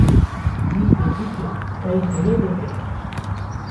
Wî pepûkê qeyî te ne gotê